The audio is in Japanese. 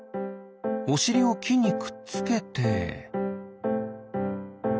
おしりをきにくっつけて。